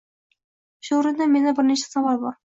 Shu o'rinda menda bir nechta savol bor: